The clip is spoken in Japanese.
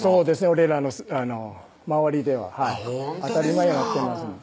俺らの周りでは当たり前にやってます